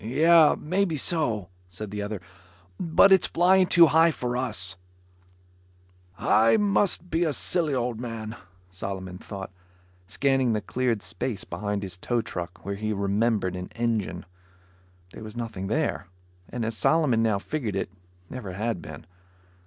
"Yup, maybe so," said the other. "But it's flying too high for us." "I must be a silly old man," Solomon thought, scanning the cleared space behind his tow truck where he remembered an engine. There was nothing there, and as Solomon now figured it, never had been.